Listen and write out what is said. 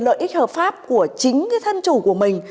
lợi ích hợp pháp của chính thân chủ của mình